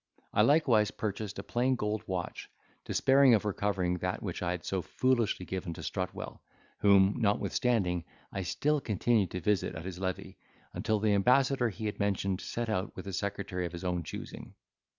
I likewise purchased a plain gold watch, despairing of recovering that which I had so foolishly given to Strutwell, whom, notwithstanding, I still continued to visit at his levee, until the ambassador he had mentioned set out with a secretary of his own choosing.